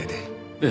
ええ。